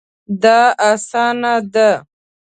دا اسانه ده